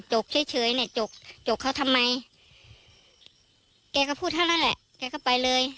กเฉยเฉยเนี่ยจกจกเขาทำไมแกก็พูดเท่านั้นแหละแกก็ไปเลย